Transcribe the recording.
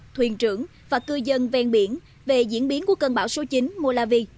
thuyền trưởng và cư dân ven biển về diễn biến của cơn bão số chín molavi